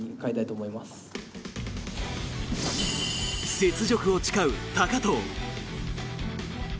雪辱を誓う高藤。